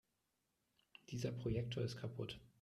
Dieser Projektor ist kaputt.